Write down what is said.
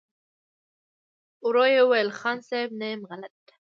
ورو يې وويل: خان صيب! نه يم غلط.